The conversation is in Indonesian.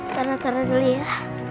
taruh taruh dulu ya